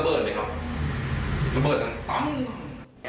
ระเบิดต่อ